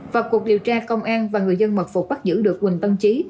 và cuộc điều tra công an và người dân mật phục bắt giữ được huỳnh tân chí